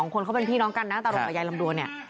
คนเขาเป็นพี่น้องกันนะตารงกับยายลำดวนเนี่ย